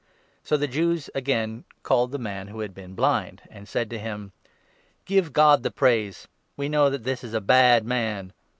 So the Jews again called the man 24 who had been blind, and said to him :" Give God the praise ; we know that this is a bad man."